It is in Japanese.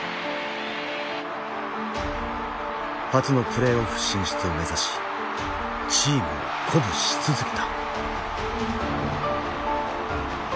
初のプレーオフ進出を目指しチームを鼓舞し続けた。